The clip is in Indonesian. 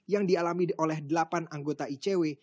yang dialami oleh delapan anggota icw